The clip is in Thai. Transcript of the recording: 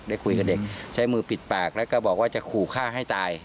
ได้คุยกับเด็กใช้มือปิดปากแล้วก็บอกว่าจะขู่ฆ่าให้ตาย